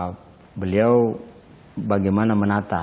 dan juga beliau bagaimana menata